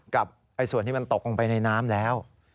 กับส่วนที่มันตกลงไปในน้ำแล้ว